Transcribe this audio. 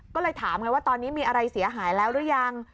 ก็เลยถามไงว่าตอนนี้มีอะไรเสียหายแล้วหรือยัง